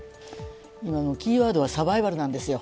今、キーワードはサバイバルなんですよ。